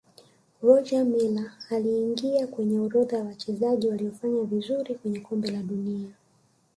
roger miller aliingia kwenye orodha ya Wachezaji waliofanya vizuri kwenye kombe la dunia